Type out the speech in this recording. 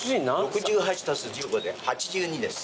６８足す１５で８２です。